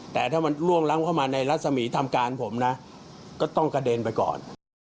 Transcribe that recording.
แต่ถ้ามันล่วงล้ำเข้ามาในรัศมีร์ทำการผมนะก็ต้องกระเด็นไปก่อน